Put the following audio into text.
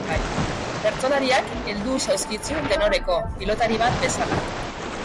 Bertsolariak heldu zauzkitzu tenoreko, pilotari bat bezala.